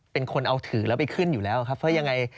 เป็นคนเอาถือแล้วไปขึ้นอยู่แล้วครับเพราะยังไง